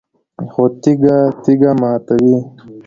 خو تیږه تیږه ماتوي